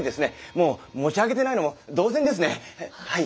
もう持ち上げてないのも同然ですねはい。